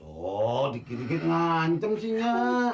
oh dikit dikit nganceng sih ya